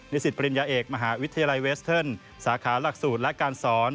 สิตปริญญาเอกมหาวิทยาลัยเวสเทิร์นสาขาหลักสูตรและการสอน